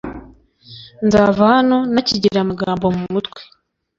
nzava hano nakigira amagambo mu mutwe